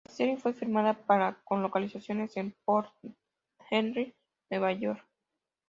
La serie fue filmada para con localizaciones en Port Henry, Nueva York.